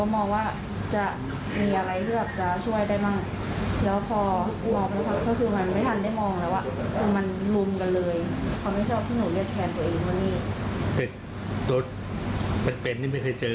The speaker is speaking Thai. ไม่เคยเจอไม่เคยรู้จักเลย